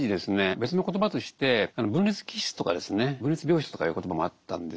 別の言葉として「分裂気質」とかですね「分裂病質」とかいう言葉もあったんですよ。